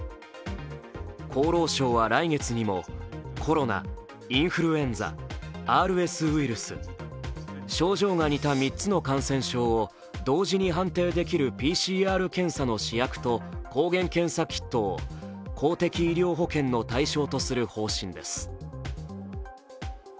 厚労省は来月にもコロナ、インフルエンザ、ＲＳウイルス症状が似た３つの感染症を同時に判定できるＰＣＲ検査の試薬と、抗原検査キットを公的医療保険の対象とする方針です。